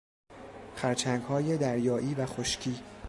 خرچنگهای دریایی و خشکی